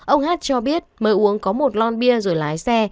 ông hát cho biết mới uống có một lon bia rồi lái xe